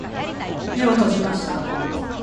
目を閉じました。